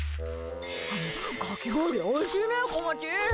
かき氷おいしいね、こまち！